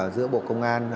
giữa bộ công an